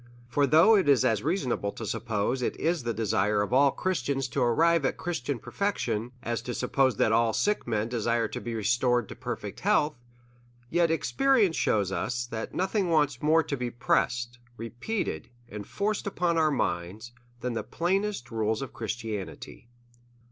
For though it is as reasonable to suppose it the desire of all Christians to arrive at Christian perfection, as to suppose that all sick men desire to be restored to perfect health ; yet z2 340 A SERIOUS CALL TO A experience shews us, that nothing wants more to be pressed, repeated, and forced upon minds, than the plainest rules of Christianity.